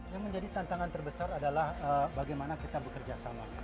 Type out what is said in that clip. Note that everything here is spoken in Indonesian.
yang menjadi tantangan terbesar adalah bagaimana kita bekerja sama